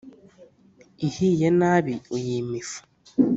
Ihiye nabi uyima ifu.